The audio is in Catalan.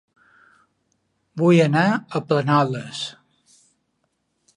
Vull anar a Planoles